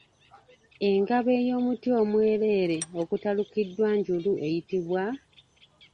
Engabo ey'omuti omwereere okutalukiddwako njulu eyitimbwa?